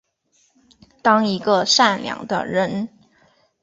当一个善良的人